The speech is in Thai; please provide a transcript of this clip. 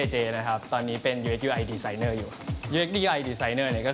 ชอบทำอาหารไทยครับ